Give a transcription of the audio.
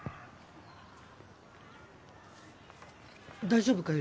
大丈夫か？